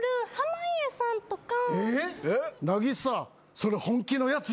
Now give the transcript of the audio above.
それ本気のやつやん。